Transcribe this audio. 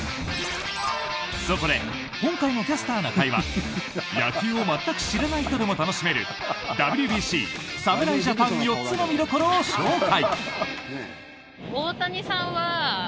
そこで今回の「キャスターな会」は野球を全く知らない人でも楽しめるＷＢＣ侍ジャパン４つの見どころを紹介。